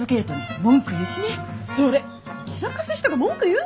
散らかす人が文句言うなってね！